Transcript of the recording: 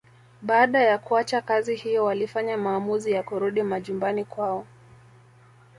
Baada ya kuacha kazi hiyo walifanya maamuzi ya kurudi majumbani kwao